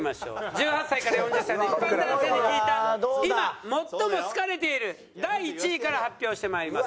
１８歳から４０歳の一般男性に聞いた今最も好かれている第１位から発表してまいります。